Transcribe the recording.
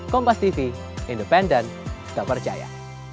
kompastv independen tak percaya